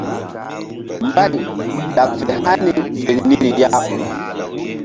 Mbay laɓ fe hani ziŋ niri ya.